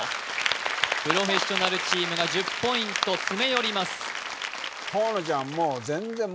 プロフェッショナルチームが１０ポイント詰め寄ります河野ちゃん